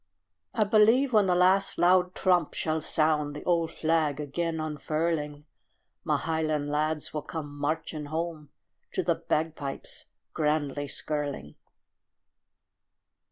I believe when the last loud trump shall sound, The old flag again unfurling, My highland lads will come marching home To the bagpipes grandly skirling.